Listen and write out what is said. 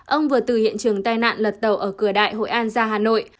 ông vừa từ hiện trường tai nạn lật tàu ở cửa đại hội an ra hà nội